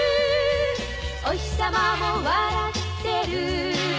「おひさまも笑ってる」